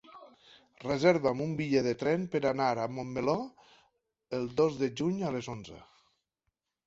Reserva'm un bitllet de tren per anar a Montmeló el dos de juny a les onze.